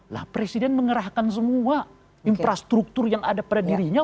lah presiden mengerahkan semua infrastruktur yang ada pada dirinya